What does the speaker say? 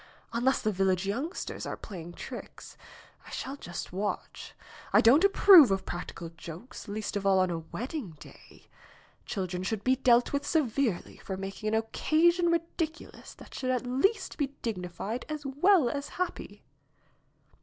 Unless the village youngsters are playing tricks. I shall just watch. I don't approve of practical jokes, least of all on a wed ding day. Children should be dealt with severely for making an occasion ridiculous that should at least be dignified as well as happy."